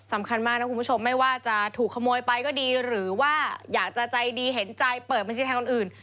สำคัญมากนะคุณผู้ชมไม่ว่าจะถูกขโมยไปก็ดีหรือว่าอยากจะใจดีเห็นใจเปิดบัญชีแทนคนอื่น